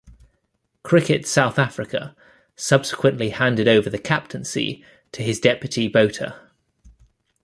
Cricket South Africa subsequently handed over the captaincy to his deputy Botha.